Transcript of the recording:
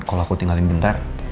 kalau aku tinggalin bentar